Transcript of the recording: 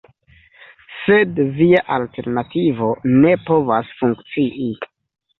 Sed via alternativo ne povas funkcii.